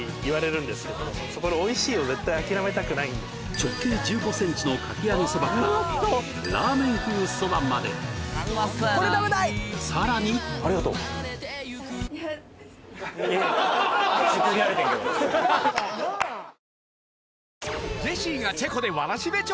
直径１５センチのかき揚げそばからラーメン風そばまでさらにありがとう「日清